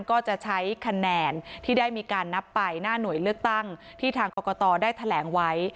ก็จะใช้คะแนนที่ได้มีการนับไปหน้าหน่วยเลือกตั้งที่ทางกรกตได้แถลงไว้